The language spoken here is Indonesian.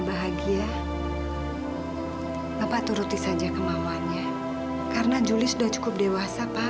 sampai jumpa di video selanjutnya